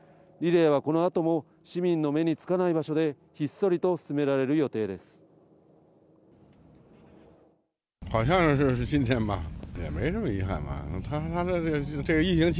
リレーは市民の目につかない場所でひっそりと進められています。